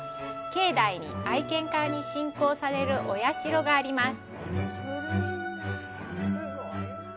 境内に、愛犬家に信仰されるお社があります。